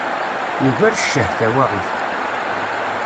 Yugar cceh, tawaɣit.